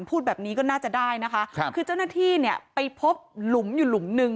พูดแบบนี้ก็น่าจะได้นะคะครับคือเจ้าหน้าที่เนี่ยไปพบหลุมอยู่หลุมหนึ่ง